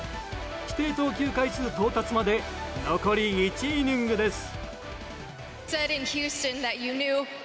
規定投球回数到達まで残り１イニングです。